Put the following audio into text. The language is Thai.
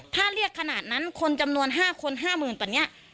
ถ้าเรียกขนาดนั้นคนจำนวนห้าคนห้าหมื่นตอนเนี้ย